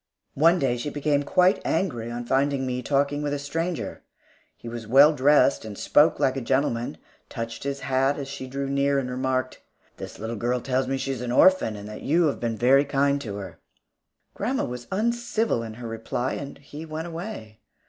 One day she became quite angry on finding me talking with a stranger. He was well dressed and spoke like a gentleman, touched his hat as she drew near and remarked, "This little girl tells me she is an orphan, and that you have been very kind to her." Grandma was uncivil in her reply, and he went away.